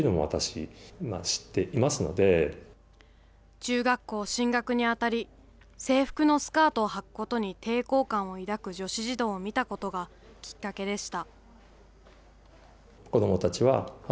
中学校進学にあたり、制服のスカートをはくことに抵抗感を抱く女子児童を見たことがきっかけでした。